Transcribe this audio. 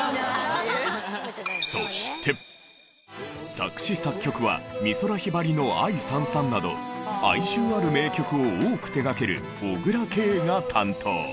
作詞・作曲は美空ひばりの『愛燦燦』など哀愁ある名曲を多く手がける小椋佳が担当。